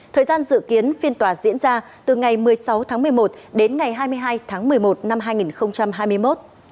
thời gian dự kiến phiên tòa diễn ra từ ngày một mươi sáu tháng một mươi một đến ngày hai mươi hai tháng một mươi một năm hai nghìn hai mươi một